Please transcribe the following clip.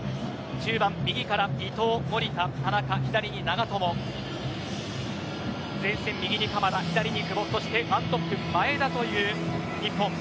中盤右から伊東、守田、田中左に長友前線、右に鎌田、左に久保そして、１トップ前田という日本。